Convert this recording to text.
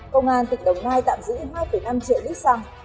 công an tỉnh đồng nai tạm giữ hai năm triệu lít xăng